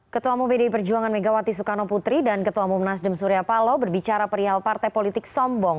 ketua mubdi perjuangan megawati soekarno putri dan ketua umum nasdem surya palo berbicara perihal partai politik sombong